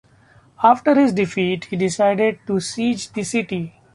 After his defeat he decided to siege the city.